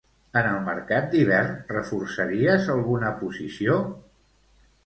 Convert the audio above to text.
En el mercat d'hivern reforçaries alguna posició?